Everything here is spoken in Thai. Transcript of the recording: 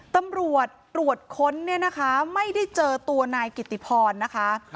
ตำรวจตรวจค้นไม่ได้เจอตัวนายกิตติพรนะคะ